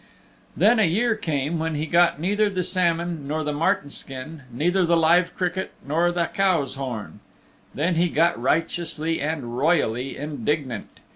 Then a year came when he got neither the salmon nor the marten skin, neither the live cricket nor the cow's horn. Then he got righteously and royally indignant.